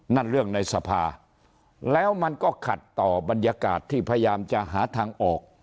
นั่นเรื่องในสภาแล้วมันก็ขัดต่อบรรยากาศที่พยายามจะหาทางออก